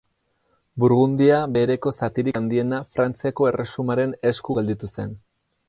Burgundia Behereko zatirik handiena Frantziako Erresumaren esku gelditu zen.